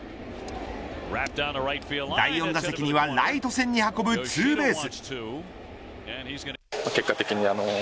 第４打席にはライト線に運ぶツーベース。